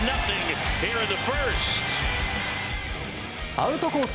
アウトコース